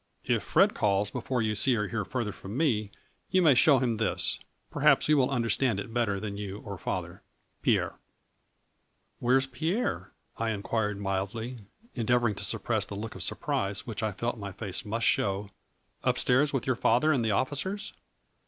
If Fred calls, before you see or hear further from me, you may show him this. Perhaps he will understand it better than you or father. Pierre. A FLURRY IN DIAMONDS. 101 " Where is Pierre ?" I inquired mildly, en deavoring to suppress the look of surprise which I felt my face must show, " up stairs with your father and the officers